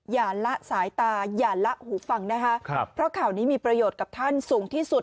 ละสายตาอย่าละหูฟังนะคะเพราะข่าวนี้มีประโยชน์กับท่านสูงที่สุด